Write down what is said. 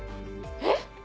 えっ！